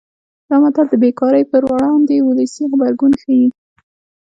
دا متل د بې کارۍ پر وړاندې ولسي غبرګون ښيي